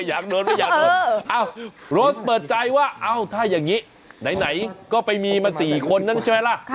อ้าวโรสเปิดใจว่าถ้าอย่างนี้ไหนก็ไปมีมา๔คนนั้นใช่ไหมล่ะ